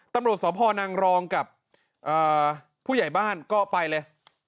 ตำรวจสพนางรองกับผู้ใหญ่บ้านก็ไปเลย